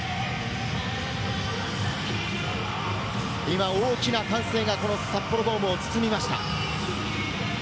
今、大きな歓声が札幌ドームを包みました。